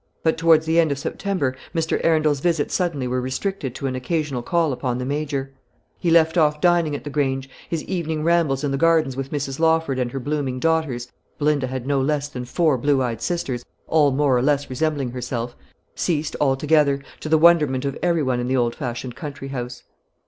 But towards the end of September Mr. Arundel's visits suddenly were restricted to an occasional call upon the Major; he left off dining at the Grange; his evening rambles in the gardens with Mrs. Lawford and her blooming daughters Belinda had no less than four blue eyed sisters, all more or less resembling herself ceased altogether, to the wonderment of every one in the old fashioned country house.